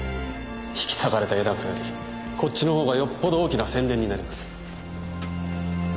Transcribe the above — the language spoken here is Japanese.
引き裂かれた絵なんかよりこっちの方がよっぽど大きな宣伝になります。